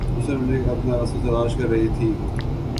مسلم لیگ اپنا راستہ تلاش کررہی تھی۔